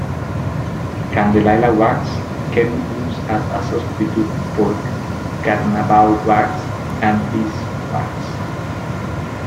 Candelilla wax can be used as a substitute for carnauba wax and beeswax.